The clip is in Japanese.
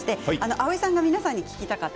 蒼井さんが皆さんに聞きたかった